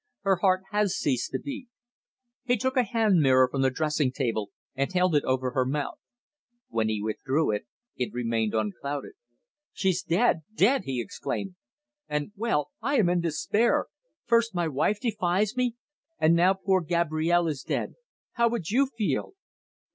Her heart has ceased to beat! He took a hand mirror from the dressing table and held it over her mouth. When he withdrew it it remained unclouded. "She's dead dead!" he exclaimed. "And well, I am in despair. First, my wife defies me and now poor Gabrielle is dead! How would you feel?"